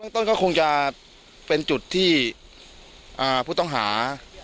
ต้นก็คงจะเป็นจุดที่ผู้ต้องหา